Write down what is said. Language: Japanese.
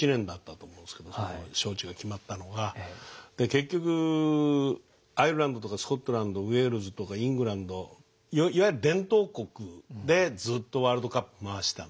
結局アイルランドとかスコットランドウェールズとかイングランドいわゆる伝統国でずっとワールドカップ回してたんですよ。